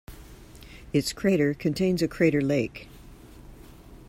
Its crater contains a crater lake.